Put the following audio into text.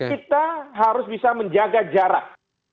kita harus bisa menjaga jarak